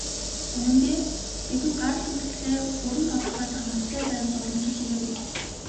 Үнэндээ, бидэнд гарал үүслээ бүрэн тодорхойлох ноттой баримт уламжилж ирээгүй.